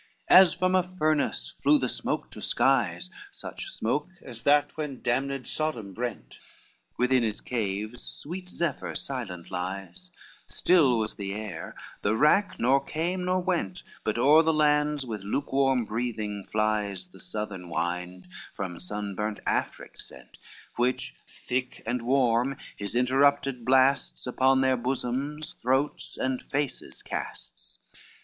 LVI As from a furnace flew the smoke to skies, Such smoke as that when damned Sodom brent, Within his caves sweet Zephyr silent lies, Still was the air, the rack nor came nor went, But o'er the lands with lukewarm breathing flies The southern wind, from sunburnt Afric sent, Which thick and warm his interrupted blasts Upon their bosoms, throats, and faces casts.